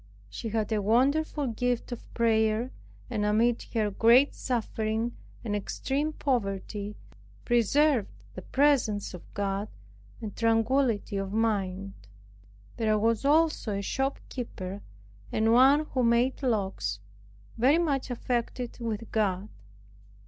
She had a wonderful gift of prayer, and amid her great suffering and extreme poverty, preserved the presence of God, and tranquility of mind. There was also a shopkeeper, and one who made locks, very much affected with God.